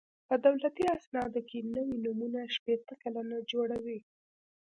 په دولتي اسنادو کې نوي نومونه شپېته سلنه جوړوي